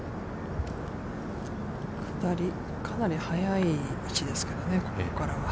下り、かなり速い位置ですけどね、ここからは。